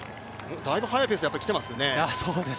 だいぶ速いペースできてますね。